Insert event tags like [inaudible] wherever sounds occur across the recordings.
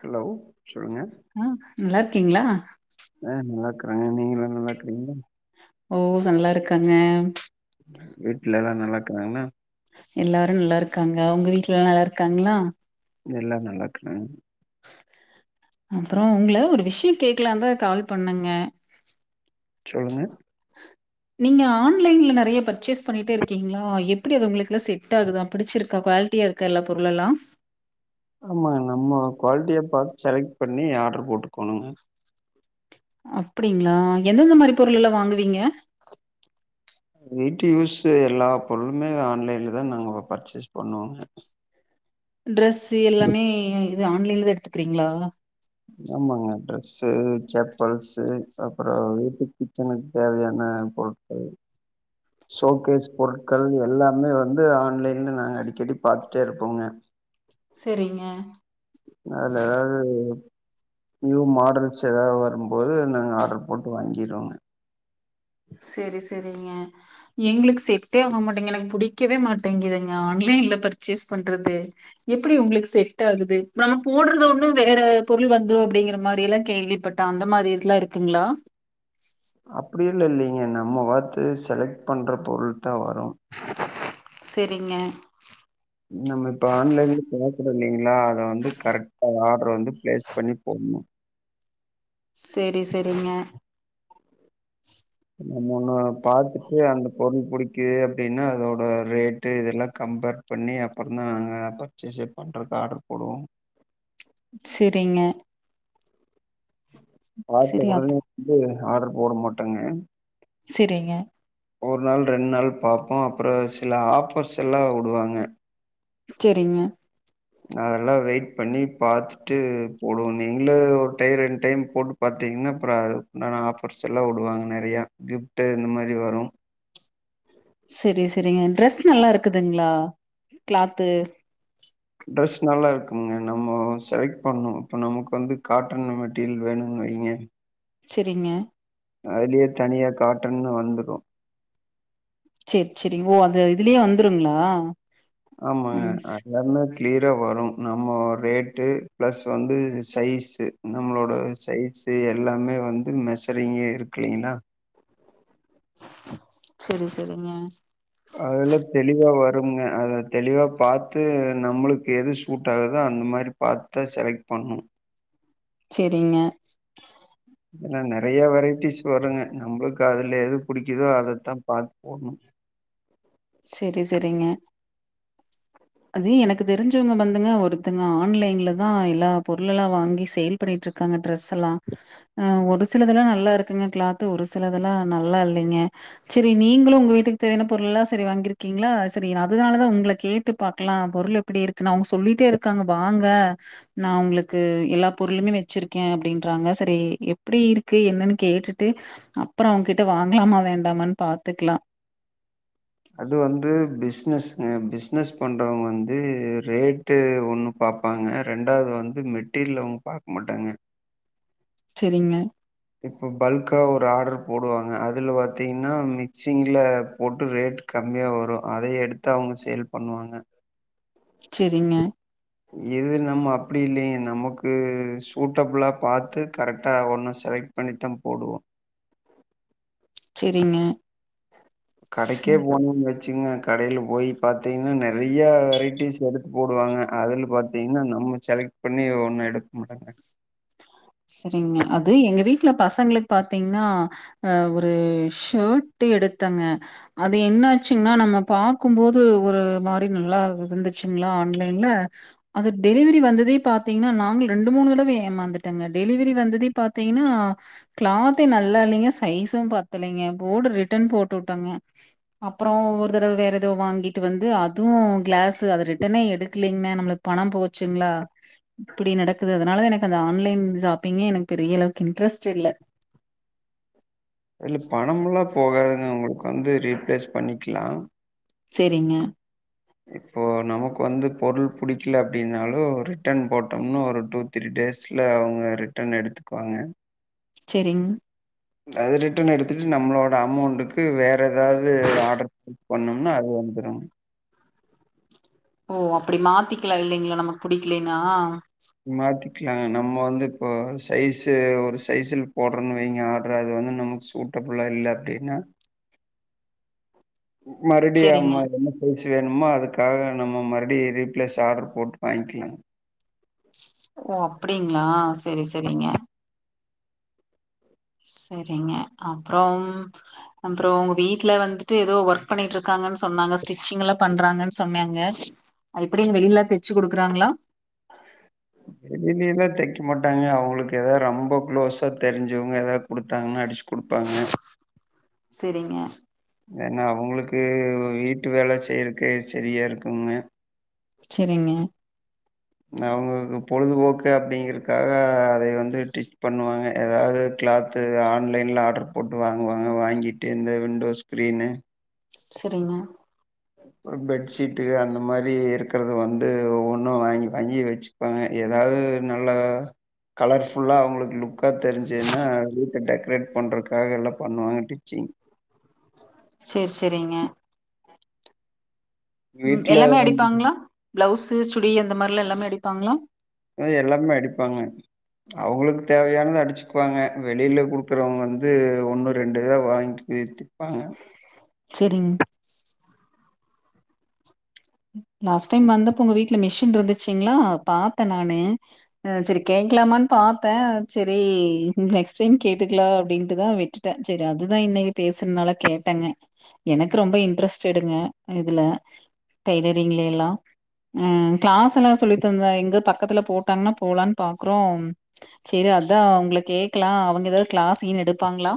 Hello சொல்லுங்க ஆஹ் இல்ல இருக்கீங்களா ஆஹ் நல்லா இருக்குறேன் நீங்க எல்லாம் நல்லா இருக்கறீங்களா ஓ ஜாலியா இருக்கேன்ங்க வீட்டுல எல்லாம் நல்லாக்கிறாங்கன்னா எல்லாரும் நல்லா இருக்காங்க உங்க வீட்டுலல்லாம் நல்லா இருக்காங்களா எல்லாம் நல்லாக்குறாங்க அப்புறம் உங்கள ஒரு விஷயம் கேக்கலாம்ந்தா கால் பண்ணேங்க சொல்லுங்க நீங்க ஆன்லைன்ல நறைய பர்ச்சேஸ் பண்ணிட்டே இருக்கீங்களா எப்படி அது உங்களுக்குல்லாம் செட் ஆகுதா பிடிச்சிருக்கா குவாலிட்டியா இருக்கா எல்லா பொருள் எல்லாம் ஆமாங்க நம்ம குவாலிட்டியை பார்த்து செலக்ட் பண்ணி ஆர்டர் போட்டுக்கோணுங்க அப்படிங்களா எந்தெந்த மாரி பொருள்ல்ல வாங்குவீங்க வீட்டு யூஸ் எல்லா பொருளுமே ஆன்லைன்ல தான் நாங்க பர்ச்சேஸ் பண்ணுவோங்க டிரஸ் எல்லாமே ஆன்லைன்ல எடுத்துக்கிறீங்களா ஆமாங்க ட்ரெஸ்ஸு செப்பல்ஸு அப்புறம் வீட்டு கிச்சனுக்கு தேவையான பொருட்கள் ஷோகேஸ் பொருட்கள் எல்லாமே வந்து ஆன்லைன்ல நாங்க அடிக்கடி பாத்துட்டே இருப்போங்க செரிங்க அதுல எதாவது நியூ மாடல்ஸ் எதாவது வரும்போது நாங்க ஆர்டர் போட்டு வாங்கிடுவோங்க செரி செரிங்க எங்களுக்கு செட்டே ஆக மாட்டேங்க எனக்கு புடிக்கவே மாட்டேங்குதுங்க ஆன்லைன்ல பர்ச்சேஸ் பண்றது எப்டி உங்களுக்கு செட் ஆகுது நம்ம போடுறது ஒண்ணும் வேற பொருள் வந்து அப்படிங்கிற மாரி எல்லாம் கேள்விப்பட்டன் அந்த மாரி இதெல்லாம் இருக்குங்களா அப்டியெல்லா இல்லைங்க. நம்ம பாத்து செலக்ட் பண்ற பொருள் தான் வரும் செரிங்க இல்லிங்க ல அத வந்து கரெக்டா அப்புறம் வந்து பிளேஸ் பண்ணி போண்ணும் செரி செரிங்க நம்ம ஒன்னு பாத்துட்டு அந்த பொருள் பிடிக்குது அப்படின்னா அதோட ரேட்டு இதெல்லாம் கம்பேர் பண்ணி அப்புறம் தான் நாங்க பர்ச்சேஸ் பண்றது ஆர்டர் போடுவோம் செரிங்க பாத்த அத் உடனே வந்து ஆர்டர் போட மாட்டாங்க சரிங்க, ஒரு நாள் ரெண்டு நாள் பாப்போம் அப்புறம் சில ஆஃபர்ஸ் எல்லாம் வுடுவாங்க செரிங்க அதெல்லாம் வெயிட் பண்ணி பாத்துட்டு போடுவோமே இல்ல ஒரு டைம் ரெண்டு டைம் போட்டு பாத்தீங்கன்னா அப்புறம் அதுக்குண்டான ஆஃபர்ஸ் எல்லாம் வுடுவாங்க நெறைய கிஃப்ட் இந்த மாரி வரும் செரி செரிங்க ட்ரெஸ் நல்லா இருக்குதுங்களா கிளாத்து ட்ரெஸ் நல்லா இருக்குங்க நம்ம செலக்ட் பண்ணும் இப்ப நமக்கு வந்து காட்டன் மெட்டீரியல் வேணும்னு வைங்க செரிங்க அதுலயே தனியா காட்டன்னு வந்துடும் செரி செரி ஓ அது இதுலயே வந்துருங்களா ஆமா ம். அது மாரி கிளியரா வரும் நம்ம ரேட்டு ப்ளஸ் வந்து சைஸு நம்மளோட சைஸு எல்லாமே வந்து மெஷரிங்கே இருக்குங்களா செரி செரிங்க அதுல தெளிவா வரும்ங்க அத தெளிவா பாத்து நம்மளுக்கு எது சூட் ஆகுதோ அந்த மாரி பாத்து செலக்ட் பண்ணணும் செரிங்க அதல்லாம் நெறைய வெரைட்டிஸ் வருங்க நம்மளுக்கு அதுல எது பிடிக்குதோ அதத்தான் பாத்து போன்ணும் செரி செரிங்க அது எனக்கு தெரிஞ்சவுங்க வந்துங்க ஒருத்தங்க ஆன்லைன்லதான் எல்லா பொருள் எல்லாம் வாங்கி சேல் பண்ணிட்டு இருக்காங்க ட்ரெஸ்ல்லாம் ஆஹ் ஒரு சிலதுெல்லாம் நல்லா இருக்குங்க கிளாத்து ஒரு சிலதுெல்லாம் நல்லா இல்லிங்க செரி நீங்களும் உங்க வீட்டுக்கு தேவையான பொருள் எல்லாம் செரி வாங்கிருக்கீங்களா செரி அதனாலதான் உங்கள கேட் ட்டு பாக்கலாம் பொருள் எப்படி இருக்குன்னு அவுங்க சொல்லிட்டே இருக்காங்க வாங்க நான் உங்களுக்கு எல்லா பொருளுமே வச்சிருக்கேன் அப்படின்றாங்க சரி எப்படி இருக்கு என்னன்னு கேட்டுட்டு அப்புறம் அவுங்ககிட்ட வாங்கலாமா வேண்டாமானு பாத்துக்கலாம் அது வந்து பிஸ்னஸ்ங்க பிஸ்னஸ் பண்றவுங்க வந்து ரேட்டு ஒண்ணு பாப்பாங்க ரெண்டாவது வந்து மெட்டீரியல் அவங்க பாக்க மாட்டாங்க செரிங்க இப்போ பல்க்கா ஒரு ஆர்டர் போடுவாங்க அதுல பாத்தீங்ன்னா மிக்சிங்ல போட்டு ரேட் கம்மியா வரும் அதைய எடுத்து அவுங்க சேல் பண்ணுவாங்க செரிங்க இது நம்ம அப்படி இல்லிங்க நமக்கு சூட்டபிளா பாத்து கரெக்டா ஒன்னும் செலக்ட் பண்ணித்தான் போடுவோம் செரிங்க கடைக்கே போனும் பாத் தீங்கனா கடையில போய் பாத்தீங்கன்னா நெறைய வெரைட்டிஸ் எடுத்து போடுவாங்க அதுல பாத்தீங்கன்னா நம்ம செலக்ட் பண்ணி ஒண்ணு எடுக்க மாட்டோங்க செரிங்க அது எங்க வீட்டுல பசங்களுக்கு பாத்தீங்கன்னா ஆஹ் ஒரு ஷர்ட்டு எடுத்தேங்க அது என்னாச்சுங்கன்னா நம்ம பாக்கும்போது ஒரு மாரி நல்லா இருந்துச்சுங்களா ஆன்லைன்ல அது டெலிவரி வந்ததே பாத்தீங்கன்னா நாங்க ரெண்டு மூணு தடவை ஏமாந்து டங்க டெலிவரி வந்தத பாத்தீங்கன்னா கிளாத்தே நல்லா இல்லைங்க சைஸூம் பத்தலங்க போர்டு ரிட்டன் போட்டு வுட்டோங்க அப்புறம் ஒரு தடவை வேற ஏதோ வாங்கிட்டு வந்து அதுவும் கிளாஸ் அத ரிட்டனே எடுக்கலங்கா நம்மளுக்கு பணம் போச்சுங்களா இப்படி நடக்குது அதனால தான் எனக்கு அந்த ஆன்லைன் ஷாப்பிங்க எனக்கு பெரிய அளவுக்கு இன்ட்ரெஸ்ட் இல்ல அதுல பணமெல்லாம் போகாதுங்க உங்களுக்கு வந்து ரீப்ளேஸ் பண்ணிக்கலாம் செரிங்க இப்போ நமக்கு வந்து பொருள் புடிக்கல அப்படின்னாலும் ரிட்டன் போட்டோம்னு ஒரு டூ த்ரீ டேஸ்ல அவுங்க ரிட்டன் எடுத்துக்குவாங்க செரிங்க அது ரிட்டர்ன் எடுத்துட்டு நம்மளோட அமௌண்ட்டக்கு வேற எதாவது ஆர்டர் பண்ணும்னா அது வந்துரும் ஓ அப்படி மாத்திக்கலாம் இல்லீங்களா நமக்கு புடிக்கலன்னா மாத்தி நா நம்ம வந்து இப்போ சைஸு ஒரு சைஸில் போடுறோன்னு வைங்க ஆர்டரு அது வந்து நமக்கு சூட்டபுளா இல்லை அப்படின்னா மருடியும் சேரிங்க [unintelligible] பேச்சு வேணுமோ அதுக்காக நம்ம மறுபடி ரீப்பிளேஸ் ஆர்டர் போட்டு வாங்கிக்கலாம் ஓ அப்படிங்களா செரி செரிங்க சரிங்க அப்புறம் அப்புறம் உங்க வீட்டுல வந்துட்டு ஏதோ ஒர்க் பண்ணிட்டு இருக்காங்கன்னு சொன்னாங்க ஸ்டிச்சிங் எல்லாம் பண்றாங்கன்னு சொன்னாங்க எப்படி எங்க வெளியிலாம் தச்சு குடுக்குறாங்களா வெலிலயிலா தைக்க மாட்டாங்க அவங்களுக்கு ஏதாவது ரொம்ப குளோஸா தெரிஞ்சவங்க ஏதாவது குடுத்தாங்கனா அடிச்சு குடுப்பாங்க. சேரிங்க ஏன்னா அவங்களுக்கு வீட்டு வேலை செய்யறகே சரியா இருக்குங்க சரிங்க அவங்களுக்கு பொழுதுபோக்கு அப்படிங்கிறதுக்காக அதை வந்து டிச் பண்ணுவாங்க ஏதாவது கிளாத்து ஆன்லைன்ல ஆர்டர் போட்டு வாங்குவாங்க வாங்கிட்டு இந்த விண்டோ ஸ்கிரீனு சரிங்க ப்புற பெட்ஷீட்டு அந்த மாதிரி இருக்கறது வந்து ஒ ஒண்ணும் வாங்கி வாங்கி வச்சுப்பாங்க ஏதாவது நல்லா கலர்ஃபுல்லா அவங்களுக்கு லுக்கா தெரிஞ்சுதுன்னா வீட்டை டெக்கரேட் பண்றக்காக எல்லாம் பண்ணுவாங்க டிச்சிங் செரி செரிங்க உம் வீட்ல எல்லாமே அடிப்பாங்களா பிளவுஸ் சுடி அந்த மாரில்லாம் எல்லாமே அடிப்பாங்களா எல்லாமே அடிப்பாங்க அவங்களுக்கு தேவையானது அடிச்சுக்குவாங்க வெளியில குடுக்குறவங்க வந்து ஒண்ணு ரெண்டுதா வாங்கி தைப்பாங்க. சரிங்க உம் லாஸ் டைம் வந்தப்ப உங்க வீட்டுல மி்ஷ் இருந்துச்சுங்களா பாத்தேன் நானு சரி கேக்கலாமான்னு பாத்தேன் சரி நெக்ஸ் டைம் கேட்டுக்கலாம் அப்படின்ட்டுதான் விட்டுட்டேன் சரி அதுதான் இன்னைக்கு பேசுறதுனால கேட்டேங்க எனக்கு ரொம்ப இன்ட்ரஸ்ட் எடுங்க இதுல டைலரிங்ல எல்லாம் உம் கிளாஸ் எல்லாம் சொல்லி தந்தேன் எங்க பக்கத்துல போட்டாங்கன்னா போலான்னு பாக்குறோம் சரி அதான் உங்க கேக்கிலாம் அவங்க ஏதாவது கிளாஸ்ன்னு எடுப்பாங்களா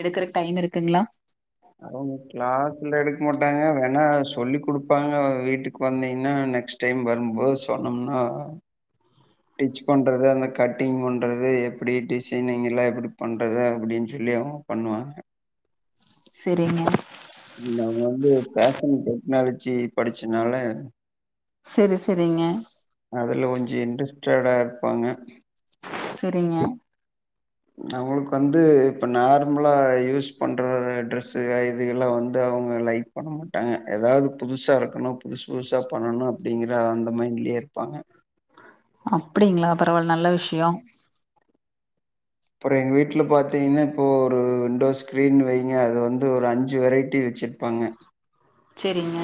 எடுக்கறக்கு டைம் இருக்குங்களா அவங்க கிளாஸ்ல எடுக்க மாட்டாங்க வேணா சொல்லிக் குடுப்பாங்க வீட்டுக்கு வந்தீங்கன்னா நெக்ஸ்ட் டைம் வரும்போது சொன்னோம்னா டிச் பண்றது அந்த கட்டிங் பண்றது எப்படி டிசைனிங் எல்லாம் எப்படி பண்றது அப்படின்னு சொல்லி அவங்க பண்ணுவாங்க செரிங்க நம்ம வந்து ஃபேஷன் டெக்னாலஜி படிச்சனால சரி சரிங்க டயடா இருப்பாங்க செரிங்க அவங்களுக்கு வந்து இப்ப நார்மலா யூஸ் பண்ற டிரரெஸ்ஸுக இதுக எல்லாம் வந்து அவங்க லைக் பண்ண மாட்டாங்க ஏதாவது புதுசா இருக்கணும் புதுசு புதுசா பண்ணணும் அப்படிங்கற அந்த மைன்லலேயே இருப்பாங்க அப்படிங்களா பரவால நல்ல விஷயம் அப்புறம் எங்க வீட்டுல பாத்தீங்கன்னா இப்போ ஒரு விண்டோ ஸ்கிரீன் வைங்க அது வந்து ஒரு அஞ்சு வெரைட்டி வச்சிருப்பாங்க செரிங்க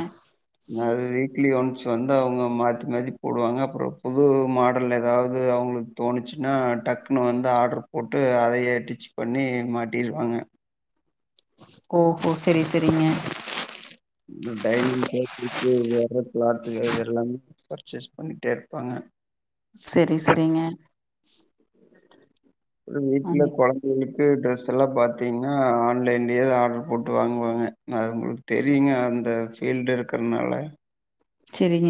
அது வீக்லி ஒன்ஸ் வந்து அவுங்க மாட்டி மாட்டி போடுவாங்க அப்புற புது மாடல் ஏதாவது அவுங்களுக்கு தோணுச்சுன்னா டக்குனு வந்து ஆட்ர்ரு போட்டு அதையே டிச் பண்ணி மாட்டிடுவாங்க ஓ ஹோ செரி செரிங்க இந்த டைனிங் டேபிளக்கு வற கிளாத்து இது எல்லாமே பர்ச்சேஸ் பண்ணிட்டே இருப்பாங்க செரி செரிங்க ஒரு வீட்ல கொழந்த [unintelligible] க்கு ட்ரெஸ் எல்லா பாத்தீங்கன்னா ஆன்லைன்லயே ஆட்ரு போட்டு வாங்குவாங்க அது உங்ளுக் தெரியுங்க அந்த ஃபீல்டு இருக்கிறதுனால செரிங்க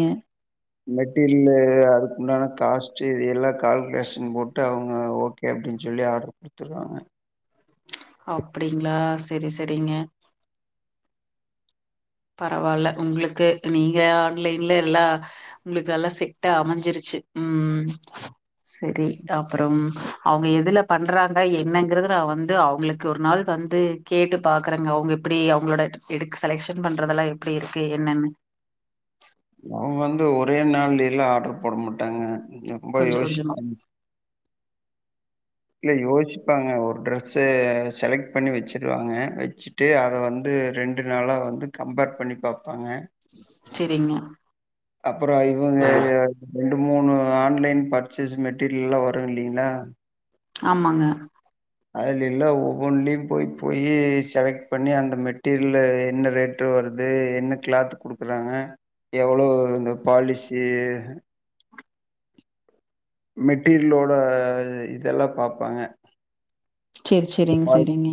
மெட்டீரில்லு அதுக்குண்டான காஸ்ட் இது எல்லா கால்குலேஷன் போட்டு அவுங்க ஓகே அப்டின்னு சொல்லி ஆர்டர் குடுத்துறாங்க அப்டிங்களா செரி செரிங்க பரவால்ல உங்ளுக்கு நீங்க ஆன்லைன்ல எல்லா உங்ளுக்கு நல்லா செட்டா அமைஞ்சிருச்சி உம் செரி அப்புறம் அவுங்க எதுல பண்றாங்க என்னங்கறத நா வந்து ரிட்டன் பண்றதெல்லா எப்டி இருக்கு என்னன்னு அவுங்க வந்து ஒரே நாள்லேலா ஆட்ரு போட மாட்டாங்க ரொம்ப கொஞ்சம் கொஞ்சமா. யோசிப் [inaudible] இல்ல யோசிப்பாங்க ஒரு ட்ரெஸ் செலக்ட் பண்ணி வச்சிருவாங்க வச்சுட்டு அத வந்து ரெண்டு நாளா வந்து கம்பேர் பண்ணி பாப் ப்பாங்க சரிங்க. அப்புற இவுங்க ரெண்டு மூணு ஆன்லைன் பர்சேஸ் மெட்டீரியல்லா வரு இல்லிங்களா ஆமாங்க அதுல இல்லா ஒவ்வொன்றலயு போய் போயயி செலக்ட் பண்ணி அந்த மெட்டீரில்ல என்ன ரேட்டு வருது என்ன கிளாத் குடுக்குறாங்க எவ்ளோ இந்த பாலிசி மெட்டீரிலோட இதெல்லா பாப்பாங்க செரி செரிங்க செரிங்க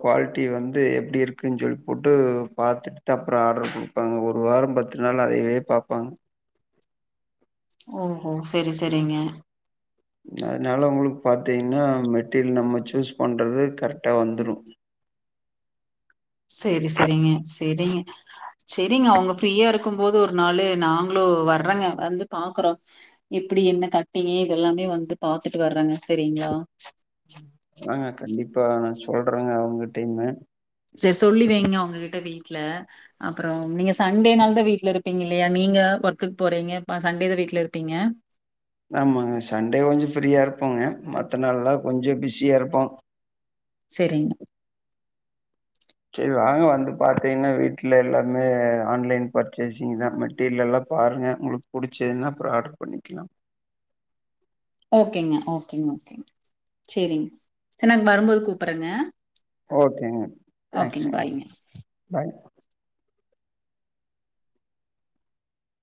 க்வாலிட்டி வந்து எப்டி இருக்குன் சொல்லி போட்டு பாத்துட்டு அப்புற ஆட்ரு குடுப்பாங்க ஒரு வார பத்து நாள்ல அதயே பாப்பாங்க ஓஹோ செரி செரிங்க அதனால உங்ளுக் பார்த்தீங்கன்னா மெட்டீரியல் நம்ம சூஸ் பண்றது கரெக்டா வந்துடு செரி செரிங்க செரிங்க செரிங்க அவுங்க ஃப்ரீயா இருக்கும்போது ஒரு நாளு நாங்களு வர்றங்க வந்து பாக்குறோ எப்டி என்ன கட்டிங் இதெல்லாமே வந்து பாத்துட்டு வர்றங்க செரிங்ளா இப்ப நா சொல்றேங்க அவுங்கிட்டேமே செரி சொல்லி வைங்க அவுங்ககிட்ட வீட்ல அப்புற நீங்க சண்டே நாள் தா வீட்ல இருப்பீங்க இல்லையா நீங்க ஒர்க்குக்கு போறீங்க சண்டே தா வீட்ல இருப்பீங்க ஆமாங்க சண்டே கொஞ்ச ஃப்ரீயா இருப்போங்க மத்த நாள்ல்லா கொஞ்சோ பிஸியா இருப்போ செரிங்க செரி வாங்க வந்து பாத்தீங்கன்னா வீட்ல எல்லாருமே ஆன்லைன் பர்சேசிங் தா மெட்டீரியல் எல்லா பாருங்க உங்ளுக் புடிச்துன்னா அப்புற ஆட்ரு பண்ணிக்கலா ஓகேங்க ஓகேங்க ஓகேங்க செரிங்க வரும்போது கூப்பறங்க ஓகேங்க ஓகேங்க தேங்க்ஸுங்க. பாய்ங்க பாய்.